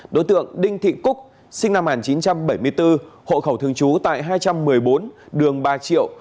đối tượng đinh thị cúc sinh năm một nghìn chín trăm bảy mươi bốn hộ khẩu thường trú tại hai trăm một mươi bốn đường ba triệu